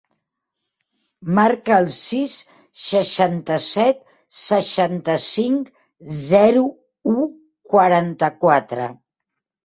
Marca el sis, seixanta-set, seixanta-cinc, zero, u, quaranta-quatre.